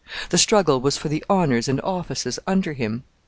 The struggle was for the honors and offices under him.